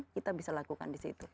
kita bisa lakukan di situ